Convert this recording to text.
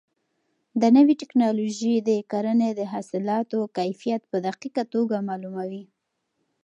دا نوې ټیکنالوژي د کرنې د حاصلاتو کیفیت په دقیقه توګه معلوموي.